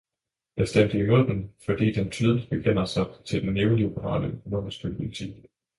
Jeg stemte imod den, fordi den tydeligt bekender sig til den neoliberale økonomiske politik.